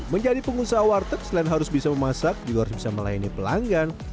menjadi pengusaha warteg selain harus bisa memasak juga harus bisa melayani pelanggan